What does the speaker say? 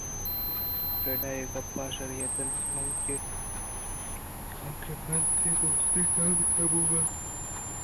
فریڈا! اے گپاں شرّی ءَ دل ءِ جہلانکی ءَ حیال بہ کن کہ منی ءُتئی دوستی ناگتءَ بوتگ اَت